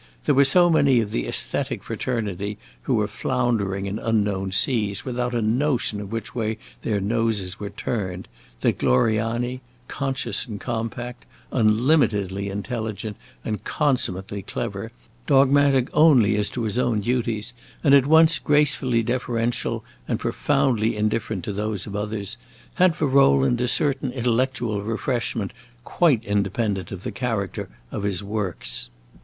There were so many of the aesthetic fraternity who were floundering in unknown seas, without a notion of which way their noses were turned, that Gloriani, conscious and compact, unlimitedly intelligent and consummately clever, dogmatic only as to his own duties, and at once gracefully deferential and profoundly indifferent to those of others, had for Rowland a certain intellectual refreshment quite independent of the character of his works.